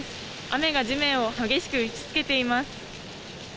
雨が地面を激しく打ちつけています。